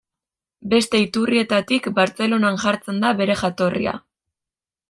Beste iturrietatik Bartzelonan jartzen da bere jatorria.